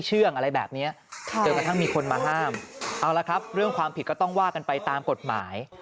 เอาละครับเรื่องความผิดก็ต้องว่ากันไปตามกฎหมาย